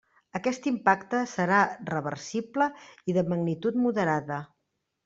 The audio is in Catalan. Aquest impacte serà reversible i de magnitud moderada.